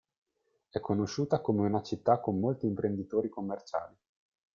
È conosciuta come una città con molti imprenditori commerciali.